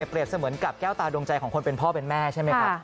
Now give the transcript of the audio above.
เปรียบเสมือนกับแก้วตาดวงใจของคนเป็นพ่อเป็นแม่ใช่ไหมครับ